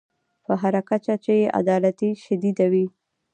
په هر کچه چې بې عدالتي شدیده وي.